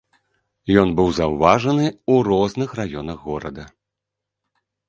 Ён быў заўважаны ў розных раёнах горада.